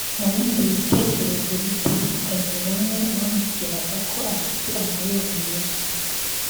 Mu bindi bitekerezo bitandukanye bamwe bamubwiraga ko afite amabere meza